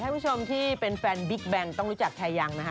คุณผู้ชมที่เป็นแฟนบิ๊กแบนต้องรู้จักแอร์ยังนะฮะ